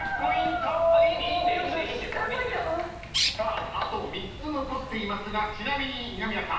［さああと３つ残っていますがちなみに二宮さん］